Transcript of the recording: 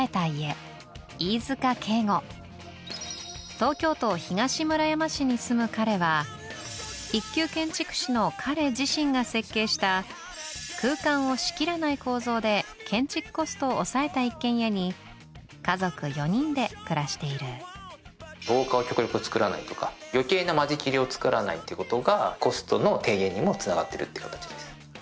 東京都東村山市に住む彼は一級建築士の彼自身が設計した空間を仕切らない構造で建築コストをおさえた一軒家に家族４人で暮らしている廊下を極力作らないとか余計な間仕切りを作らないっていうことがコストの低減にもつながってるっていう形です。